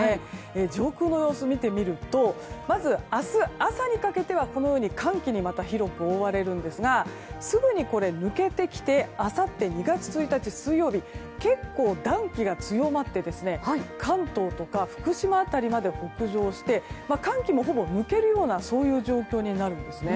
上空の様子を見てみると明日朝にかけてはこのように寒気にまた広く覆われますがすぐに抜けてきてあさって２月１日、水曜日結構、暖気が強まって関東とか福島辺りまで北上して、寒気もほぼ抜けるような状況になるんです。